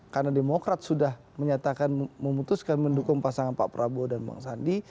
karena demokrat sudah menyatakan memutuskan mendukung pasangan pak prabowo dan bang sandi